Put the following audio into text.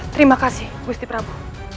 terima kasih gusti prabu